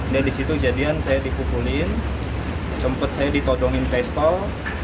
dan disitu kejadian saya dipukulin sempet saya ditodongin pistol